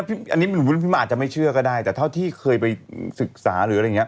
อันนี้ปริมอาจจะไม่เชื่อก็ได้แต่เขาที่เคยไปศึกษา